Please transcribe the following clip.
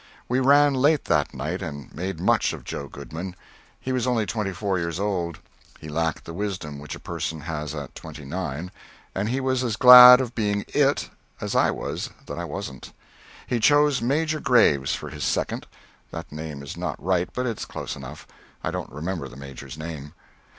We ran late that night, and made much of Joe Goodman. He was only twenty four years old; he lacked the wisdom which a person has at twenty nine, and he was as glad of being it as I was that I wasn't. He chose Major Graves for his second (that name is not right, but it's close enough; I don't remember the Major's name).